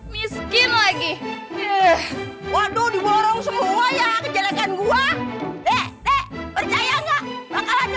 miskin lagi waduh diborong semua ya kejelekan gua percaya nggak bakalan